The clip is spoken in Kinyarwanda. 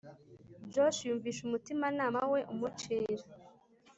Josh yumvise umutimanama we umucira